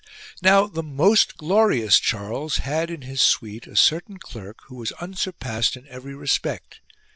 33. Now the most glorious Charles had in his suite a certain clerk who was unsurpassed in every respect.